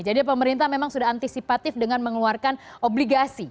jadi pemerintah memang sudah antisipatif dengan mengeluarkan obligasi